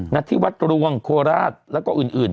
ณที่วัดรวงโคราชแล้วก็อื่น